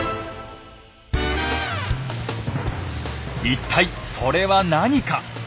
一体それは何か。